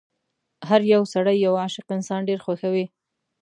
هر يو سړی یو عاشق انسان ډېر خوښوي.